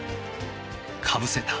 かぶせた。